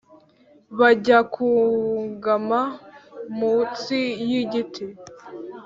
bajya kugama mutsi yi giti